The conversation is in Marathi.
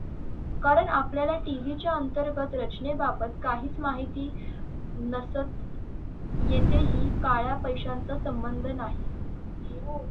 कारण आपल्याला टीव्हीच्या अंतर्गत रचनेबाबत काहीच माहिती नसतंंयेथेही काळ्या पैशांचा संबंध नाही.